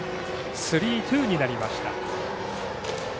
スリーツーになりました。